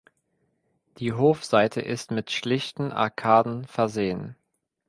Die Hofseite ist mit schlichten Arkaden versehen.